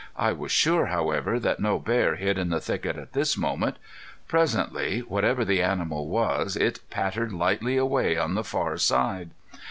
I was sure, however, that no bear hid in the thicket at this moment. Presently whatever the animal was it pattered lightly away on the far side.